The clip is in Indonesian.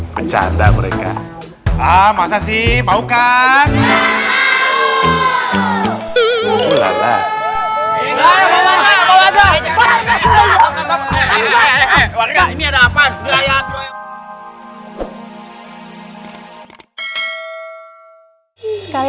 mencanda mereka ah masa sih mau kan